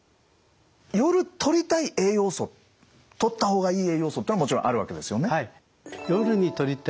夜とりたい栄養素とった方がいい栄養素というのはもちろんあるわけですよね。